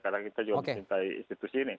karena kita juga memintai institusi